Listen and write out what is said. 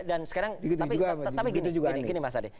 dan sekarang tapi gini mas adi